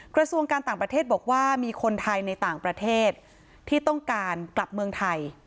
กระทรวงการต่างประเทศบอกว่ามีคนไทยในต่างประเทศที่ต้องการกลับเมืองไทย